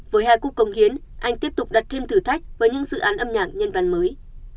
với hai cúc công hiến anh tiếp tục đặt thêm thử thách với những dự án âm nhạc nhân văn mới